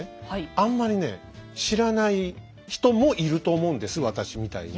あんまりね知らない人もいると思うんです私みたいに。